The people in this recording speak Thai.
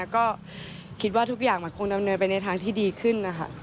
ก็คิดว่าทุกอย่างมันคงดำเนินไปในทางที่ดีขึ้นนะคะ